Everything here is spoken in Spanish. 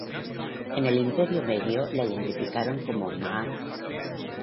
En el Imperio Medio la identificaron con Maat.